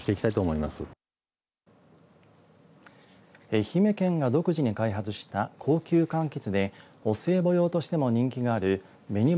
愛媛県が独自に開発した高級かんきつでお歳暮用としても人気がある紅ま